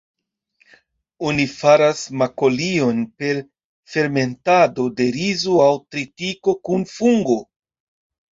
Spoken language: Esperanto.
Oni faras makolion per fermentado de rizo aŭ tritiko kun fungo.